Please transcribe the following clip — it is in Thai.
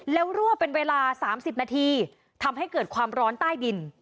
แล้วรั่วเป็นเวลา๓๐นาทีทำให้เกิดความร้อนใต้ดิน